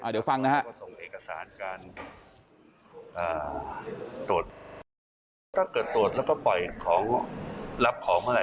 เดี๋ยวฟังนะครับ